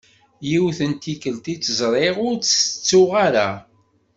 Yiwet n tikelt i tt-ẓriɣ, ur tt-tettuɣ ara.